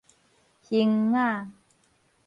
興雅